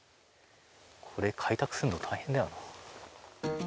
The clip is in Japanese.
これ、開拓するの大変だよな。